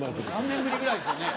３年ぶりぐらいですよね。